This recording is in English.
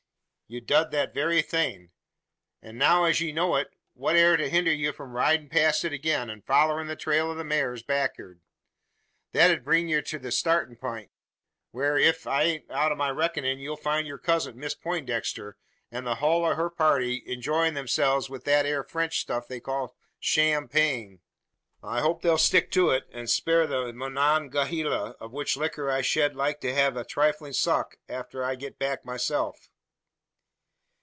"You dud that very thing. An' now, as ye know it, what air to hinder you from ridin' past it agin; and follering the trail o' the maars back'ard? That ud bring ye to yur startin' peint; where, ef I ain't out o' my reck'nin', ye'll find yur cousin, Miss Peintdexter, an the hul o' yur party enjoying themselves wi' that 'ere French stuff, they call shampain. I hope they'll stick to it, and spare the Monongaheela of which licker I shed like to hev a triflin' suck arter I git back myself."